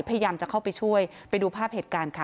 พยายามจะเข้าไปช่วยไปดูภาพเหตุการณ์ค่ะ